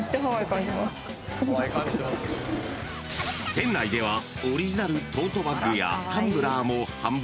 ［店内ではオリジナルトートバッグやタンブラーも販売］